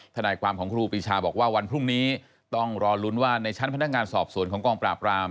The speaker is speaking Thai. ทนายความของครูปีชาบอกว่าวันพรุ่งนี้ต้องรอลุ้นว่าในชั้นพนักงานสอบสวนของกองปราบราม